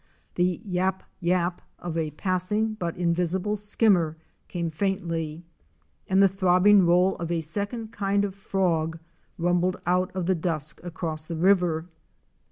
The yap! yap! of a passing but invisible Skimmer came faintly, and the throbbing roll of a second kind of frog rumbled out of the dusk across the river.